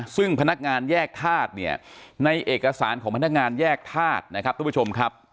ซึ่งพนักงานแยกธาตุเนี่ยในเอกสารของพนักงานแยกธาตุนะครับทุกผู้ชมครับ